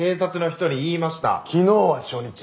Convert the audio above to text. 昨日は初日。